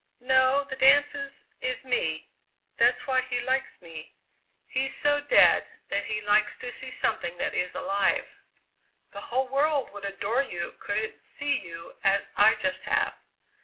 "No. The dance is is me! That's why he likes me. He's so dead that he likes to see something that is alive." "The whole world would adore you could it see you as I just have!"